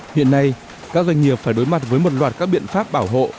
hiện nay các doanh nghiệp phải đối mặt với một loạt các biện pháp bảo hộ